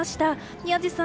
宮司さん